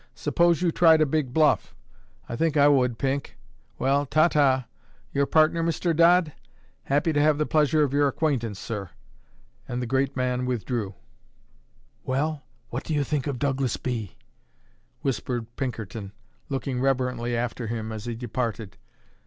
Suppose you tried a big bluff? I think I would, Pink. Well, ta ta! Your partner, Mr. Dodd? Happy to have the pleasure of your acquaintance, sir." And the great man withdrew. A low lawyer. "Well, what do you think of Douglas B.?" whispered Pinkerton, looking reverently after him as he departed.